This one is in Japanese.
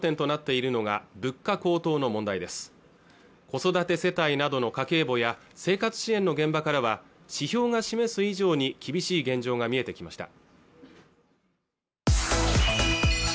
子育て世帯などの家計簿や生活支援の現場からは指標が示す以上に厳しい現状が見えてきました